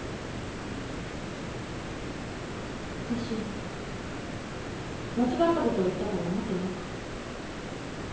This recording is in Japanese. わたし間違ったことを言ったとは思ってないから。